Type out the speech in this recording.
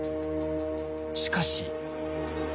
しかし。